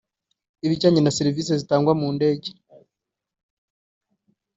ibijyanye na serivisi zitangwa mu ndege